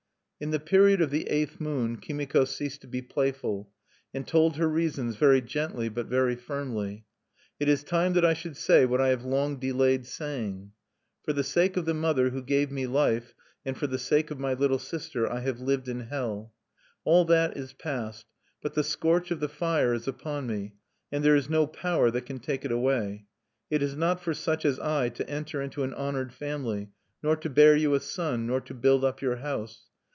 In the period of the eighth moon, Kimiko ceased to be playful, and told her reasons very gently but very firmly: "It is time that I should say what I have long delayed saying. For the sake of the mother who gave me life, and for the sake of my little sister, I have lived in hell. All that is past; but the scorch of the fire is upon me, and there is no power that can take it away. It is not for such as I to enter into an honored family, nor to bear you a son, nor to build up your house....